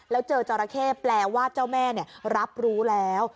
แล้วเจอจราเข้แปลว่าเจ้าแม่รับรู้แล้ว